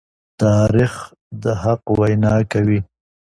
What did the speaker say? تاریخ د حق وینا کوي.